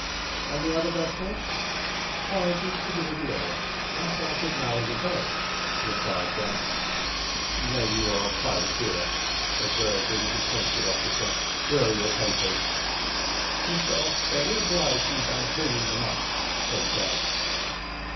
"And the other vessels?" "Prizes to the Rebiera, cut out of Malaga Bay," replied Jack. "Then you are a privateer," observed the disappointed officer. "Where are your papers?" "Mr Oxbelly, oblige me by bringing them up," said Jack.